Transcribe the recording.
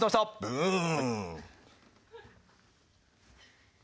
ブーン。